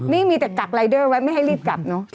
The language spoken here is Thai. นี่มีแต่กักรายเดอร์ไว้ไม่ให้รีบกลับเนอะ